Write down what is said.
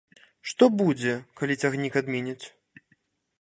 Што будзе, калі цягнік адменяць?